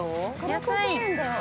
安い。